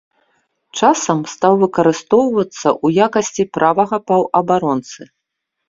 Часам стаў выкарыстоўвацца ў якасці правага паўабаронцы.